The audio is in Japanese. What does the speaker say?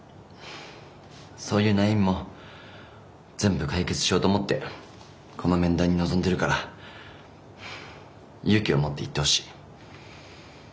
そういう悩みも全部解決しようと思ってこの面談に臨んでるから勇気を持って言ってほしい。